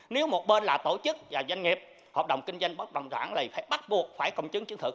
nếu một bên là tổ chức và doanh nghiệp hợp đồng kinh doanh bất đồng sản thì phải bắt buộc phải công chứng chứng thực